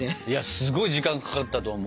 すごい時間かかったと思う。